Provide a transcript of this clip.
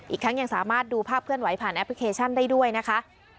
อีกทั้งยังสามารถดูภาพเคลื่อนไหวผ่านแอปพลิเคชันได้ด้วยนะคะ